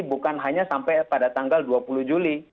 bukan hanya sampai pada tanggal dua puluh juli